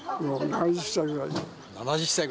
７０歳ぐらい。